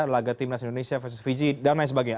laga timnas indonesia versus fiji dan lain sebagainya